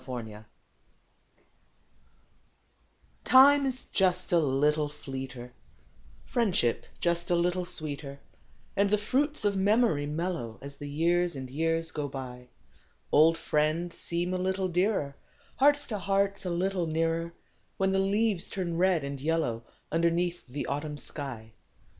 A597234 IME is "just a little fleeter; priendship just a little sweeter; And the jruits of memoru mellcrcO ' I As the Ljears and Ejears ao btj. d Old 'friends seem a little dearer; Hearts to Hearts a little nearer, ( ADhen the leases turn red and Ljello^ Underneath the Autumn shij.